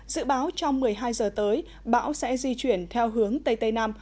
dự báo trong một mươi hai giờ tới bão sẽ di chuyển theo hướng tây tây nam